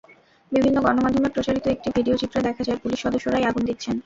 বিভিন্ন গণমাধ্যমে প্রচারিত একটি ভিডিওচিত্রে দেখা যায়, পুলিশ সদস্যরাই আগুন দিচ্ছেন।